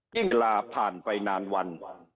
กีฬาผ่านไปนานวัน